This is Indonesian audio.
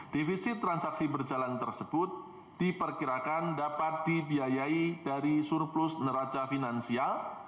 defisit transaksi berjalan tersebut diperkirakan dapat dibiayai dari surplus neraca finansial